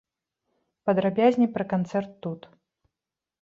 Падрабязней пра канцэрт тут.